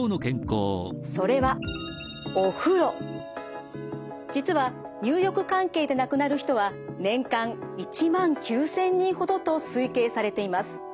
それは実は入浴関係で亡くなる人は年間１万９，０００人ほどと推計されています。